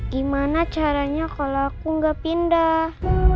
gimana caranya kalau aku nggak pindah